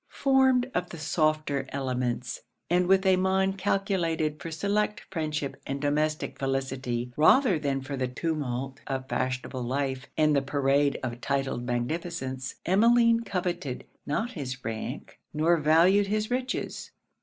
Formed of the softer elements, and with a mind calculated for select friendship and domestic felicity, rather than for the tumult of fashionable life and the parade of titled magnificence, Emmeline coveted not his rank, nor valued his riches.